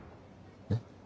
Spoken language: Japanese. えっ。